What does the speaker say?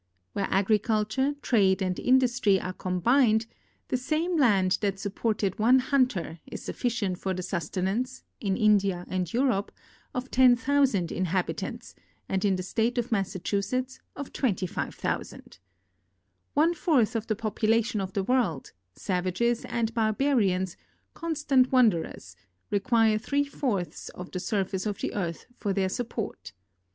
Where agriculture, trade, and industry are com bined, the same land that supported one hunter is sufficient for the sustenance, in India and Europe, of 10,000 inhabitants, and in the state of Massachusetts of 25,000. One fourth of the popu lation of the world — savages and barbarians, constant wan derers— require three fourths of the surface of the earth for their support.